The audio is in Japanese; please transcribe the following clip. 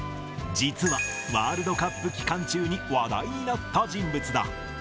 実は、ワールドカップ期間中に話題になった人物だ。